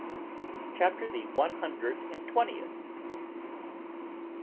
CHAPTER THE ONE HUNDRED AND TWENTIETH.